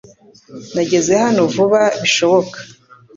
Nageze hano vuba bishoboka .